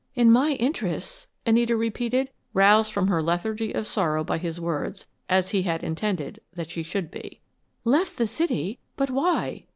"In my interests?" Anita repeated, roused from her lethargy of sorrow by his words, as he had intended that she should be. "Left the city? But why?"